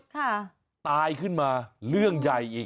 ตายขึ้นมาเรื่องใหญ่อีก